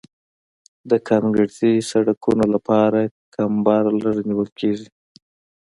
د کانکریټي سرکونو لپاره کمبر لږ نیول کیږي